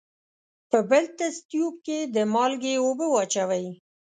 په بل تست تیوب کې د مالګې اوبه واچوئ.